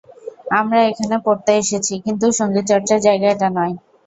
আমরা এখানে পড়তে এসেছি, কিন্তু সংগীতচর্চার জায়গা এটা নয়।